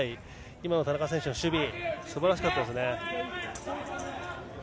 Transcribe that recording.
今の田中選手の守備はすばらしかったです。